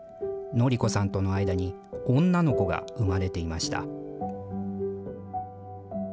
宣子さんとの間に女の子が生まれていました。